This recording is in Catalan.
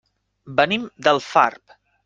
Venim d'Alfarb.